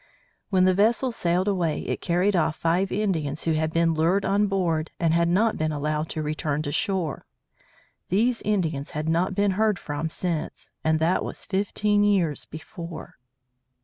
When the vessel sailed away it carried off five Indians who had been lured on board and had not been allowed to return to shore. These Indians had not been heard from since, and that was fifteen years before.